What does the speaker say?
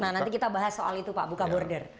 nah nanti kita bahas soal itu pak buka border